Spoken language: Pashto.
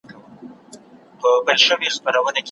نو خورا شاعرانه کلمات